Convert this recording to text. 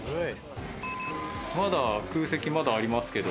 まだ空席まだありますけど。